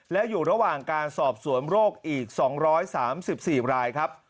และอยู่ระหว่างการสอบสวนโรคอีก๒๓๔รายครับ